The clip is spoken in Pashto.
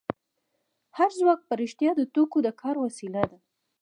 هو ځواک په رښتیا د توکو د کار وسیله ده